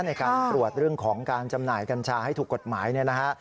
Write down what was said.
ในการตรวจเรื่องของการจำหน่ายกัญชาให้ถูกกฎหมายเนี่ยนะฮะ